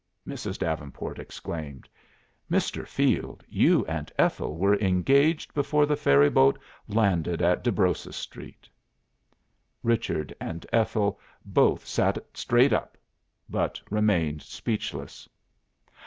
Mrs. Davenport exclaimed. "Mr. Field, you and Ethel were engaged before the ferry boat landed at Desbrosses Street." Richard and Ethel both sat straight up, but remained speechless.